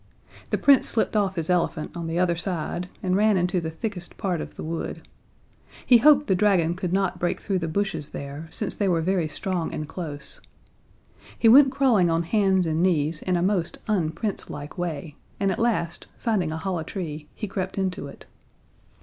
The Prince slipped off his elephant on the other side and ran into the thickest part of the wood. He hoped the dragon could not break through the bushes there, since they were very strong and close. He went crawling on hands and knees in a most un Prince like way, and at last, finding a hollow tree, he crept into it.